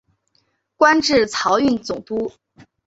官至漕运总督。